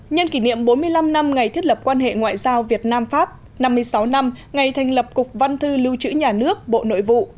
nhân kỷ niệm bốn mươi năm năm ngày thiết lập quan hệ ngoại giao việt nam pháp năm mươi sáu năm ngày thành lập cục văn thư lưu trữ nhà nước bộ nội vụ